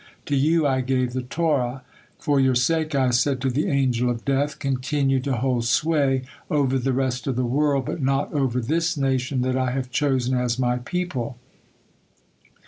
To you I gave the Torah; for your sake I said to the Angel of Death, 'Continue to hold sway over the rest of the world, but not over this nation that I have chosen as My people.'